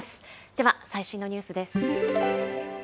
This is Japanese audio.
では、最新のニュースです。